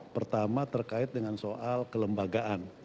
pertama terkait dengan soal kelembagaan